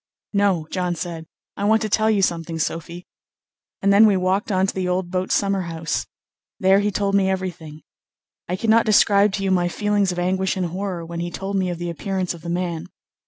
"No," John said, "I want to tell you something, Sophy," and then we walked on to the old boat summer house. There he told me everything. I cannot describe to you my feelings of anguish and horror when he told me of the appearance of the man.